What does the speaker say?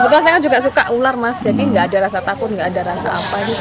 betul saya kan juga suka ular mas jadi nggak ada rasa takut nggak ada rasa apa